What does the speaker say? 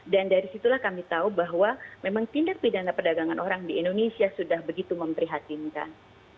dan dari situlah kami tahu bahwa memang tindak pidana perdagangan orang di indonesia sudah begitu memprihatinkan